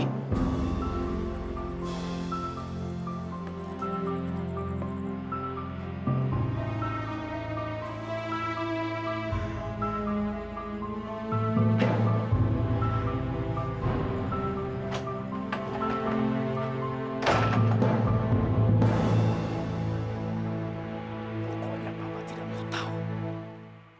pokoknya bapak tidak mau tahu